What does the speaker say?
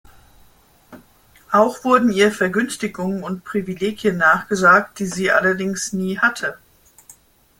Auch wurden ihr Vergünstigungen und Privilegien nachgesagt, die sie allerdings nie hatte.